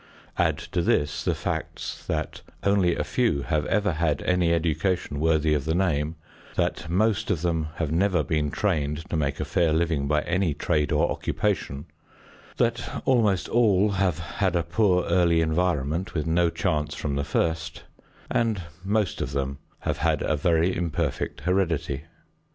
Add to this the facts that only a few have ever had any education worthy of the name, that most of them have never been trained to make a fair living by any trade or occupation, that almost all have had a poor early environment with no chance from the first, and most of them have had a very imperfect heredity.